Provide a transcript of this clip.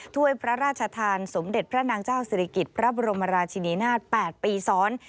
ถ้วยพระราชทานสมเด็จพระนางเจ้าศิริกิจพระบรมราชินินาศ๘ปีซ้อน